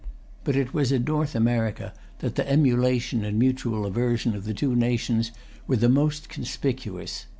But it was in North America that the emulation and mutual aversion of the two nations were most conspicuous.